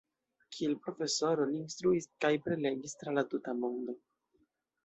Kiel profesoro li instruis kaj prelegis tra la tuta mondo.